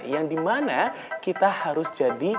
yang dimana kita harus jadi